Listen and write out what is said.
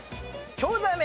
チョウザメ。